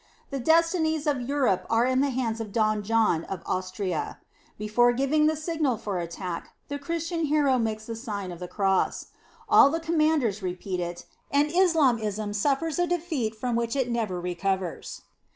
The destinies of En rone are HI die lianas oi Don John oi Ausu*a. Lci^re giving the signal for attack, the Christian hero makes the Sign of the Cross. All the commanders repeat it, and Islamism suffers a defeat from which it never recovers.